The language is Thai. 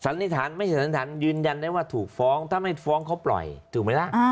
นิษฐานไม่สันนิษฐานยืนยันได้ว่าถูกฟ้องถ้าไม่ฟ้องเขาปล่อยถูกไหมล่ะ